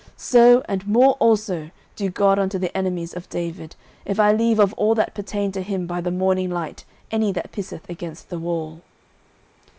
09:025:022 So and more also do God unto the enemies of David, if I leave of all that pertain to him by the morning light any that pisseth against the wall.